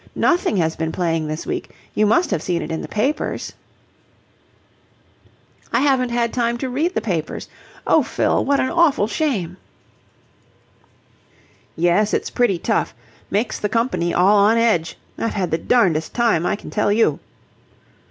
Nothing has been playing this week. You must have seen it in the papers." "I haven't had time to read the papers. Oh, Fill, what an awful shame!" "Yes, it's pretty tough. Makes the company all on edge. I've had the darndest time, I can tell you."